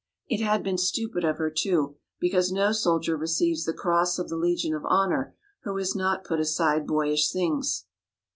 It had been stupid of her too, because no soldier receives the Cross of the Legion of Honor who has not put aside boyish things.